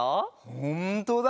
ほんとだ！